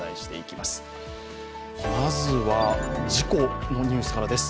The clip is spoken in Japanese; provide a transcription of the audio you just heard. まずは事故のニュースからです。